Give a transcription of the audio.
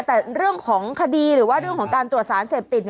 แต่เรื่องของคดีหรือว่าเรื่องของการตรวจสารเสพติด